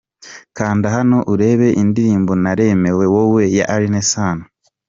Kanda hano urebe indirimbo Naremewe Wowe ya Alyn Sano.